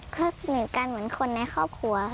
เขาสนิทกันเหมือนคนในครอบครัว